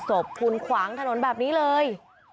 ศพคุณขวางถนนแบบนี้เลย